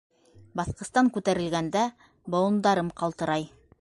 Баҫҡыстан күтәрелгәндә, быуындарым ҡалтырай.